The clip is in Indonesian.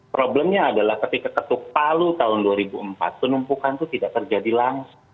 problemnya adalah ketika ketuk palu tahun dua ribu empat penumpukan itu tidak terjadi langsung